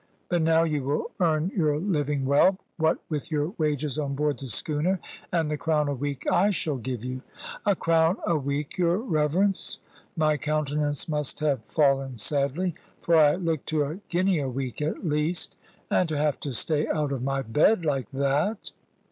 But now you will earn your living well, what with your wages on board the schooner and the crown a week I shall give you." "A crown a week, your reverence!" My countenance must have fallen sadly; for I looked to a guinea a week at least. "And to have to stay out of my bed like that!"